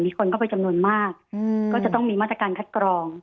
คนเข้าไปจำนวนมากก็จะต้องมีมาตรการคัดกรอง